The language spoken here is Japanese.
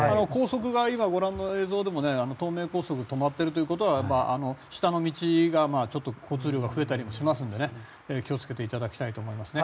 今ご覧の映像でも東名高速が止まっているということは下の道の交通量が増えたりしますので気を付けていただきたいと思いますね。